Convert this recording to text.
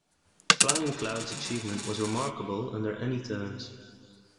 "Flying Cloud"'s achievement was remarkable under any terms.